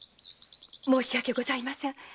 申し訳ございません。